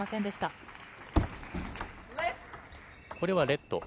これはレット。